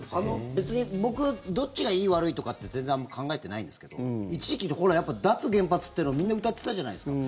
別に僕どっちがいい悪いとかって全然あまり考えてないんですけど一時期、脱原発ってのをみんなうたってたじゃないですか。